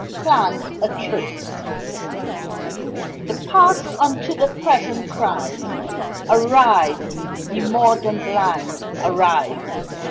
Plant a Tree The Past unto the Present cries Arise, ye more than blind, arise!